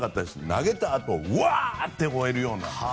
投げたあと、ウワーッ！ってほえるような。